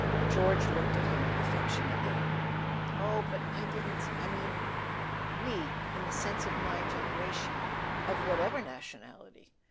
George looked at him affectionately. "Oh, but I didn't—I meant 'we' in the sense of my generation, of whatever nationality.